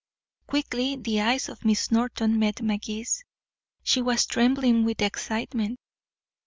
Quickly the eyes of Miss Norton met Magee's. She was trembling with excitement.